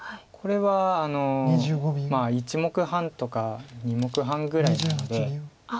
これは１目半とか２目半ぐらいなので。